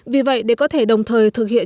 vì vậy để có thể đồng thời thực hiện